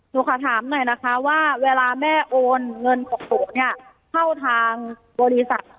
หนูขอถามหน่อยนะคะว่าเวลาแม่โอนเงินของหนูเนี่ยเข้าทางบริษัท